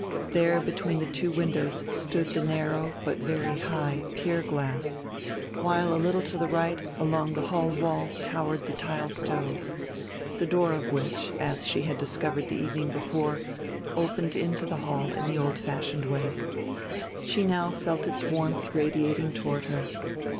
There between the two windows stood the narrow, but very high, pier glass, while a little to the right, along the hall wall, towered the tile stove, the door of which, as she had discovered the evening before, opened into the hall in the old fashioned way. She now felt its warmth radiating toward her.